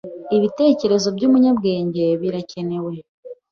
Ibitekerezo byumunyabwenge birakenewe